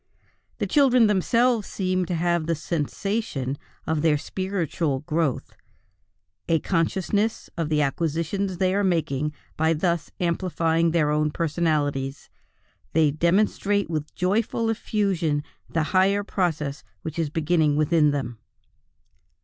The children themselves seem to have the "sensation" of their spiritual growth, a consciousness of the acquisitions they are making by thus amplifying their own personalities; they demonstrate with joyous effusion the higher process which is beginning within them.